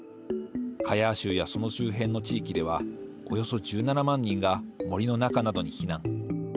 カヤー州やその周辺の地域ではおよそ１７万人が森の中などに避難。